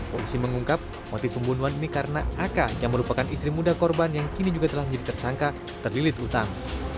polisi mengungkap motif pembunuhan ini karena aka yang merupakan istri muda korban yang kini juga telah menjadi tersangka terlilit utang